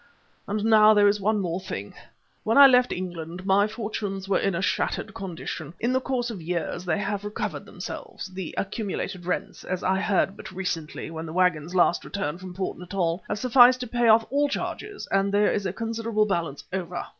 And now, there is one more thing: when I left England my fortunes were in a shattered condition; in the course of years they have recovered themselves, the accumulated rents, as I heard but recently, when the waggons last returned from Port Natal, have sufficed to pay off all charges, and there is a considerable balance over.